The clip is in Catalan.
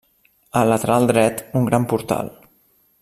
Al lateral dret, un gran portal.